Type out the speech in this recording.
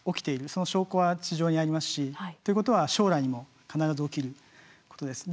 その証拠は地上にありますしということは将来も必ず起きることです。